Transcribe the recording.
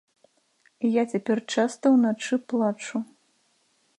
Я цяпер часта ўначы плачу.